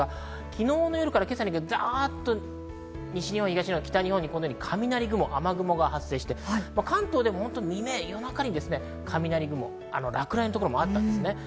昨日の夜から今朝にかけて、ダっと西日本、東日本、北日本に雷雲や雨雲が発生して関東でも未明、夜中に落雷のところもあったんですね。